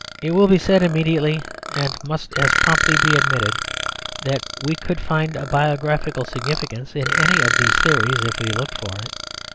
It will be said immediately, and must as promptly be admitted, that we could find a biographical significance in any of these theories if we looked for it.